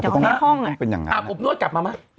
อาบอบนวดกลับมาไหม